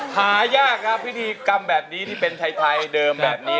หายากครับพิธีกรรมแบบนี้ที่เป็นไทยเดิมแบบนี้